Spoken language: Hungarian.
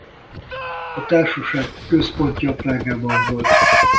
A társaság központja Prágában volt.